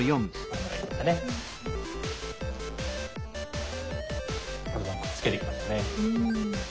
くっつけていきましたね。